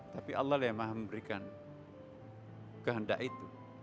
tapi allah yang maha memberikan kehendak itu